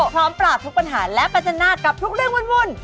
พร้อมปราบทุกปัญหาและประจันหน้ากับทุกเรื่องวุ่น